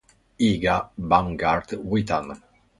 Iga Baumgart-Witan